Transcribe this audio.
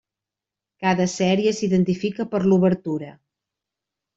Cada sèrie s'identifica per l'obertura.